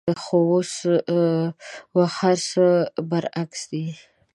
خو اوس وخت هرڅه برعکس دي.